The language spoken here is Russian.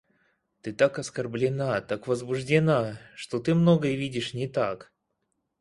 Ты так оскорблена, так возбуждена, что ты многое видишь не так.